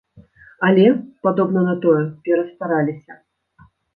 Але, падобна на тое, перастараліся.